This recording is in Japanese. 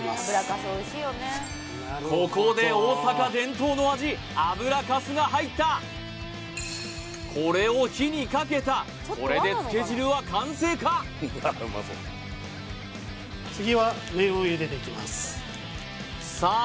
ここで大阪伝統の味油かすが入ったこれを火にかけたこれでつけ汁は完成かさあ